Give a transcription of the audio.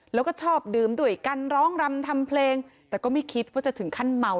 แล้วก็ชอบดื่มด้วยกันร้องรำทำเพลงแต่ก็ไม่คิดว่าจะถึงขั้นเมา